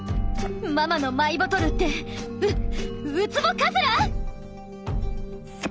ママのマイボトルってウウツボカズラ！？